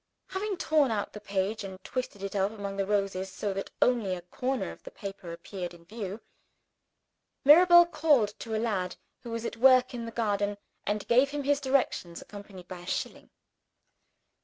Having torn out the page, and twisted it up among the roses, so that only a corner of the paper appeared in view, Mirabel called to a lad who was at work in the garden, and gave him his directions, accompanied by a shilling.